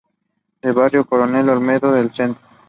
De Barrio Coronel Olmedo al Centro.